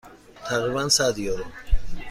تقریبا صد یورو.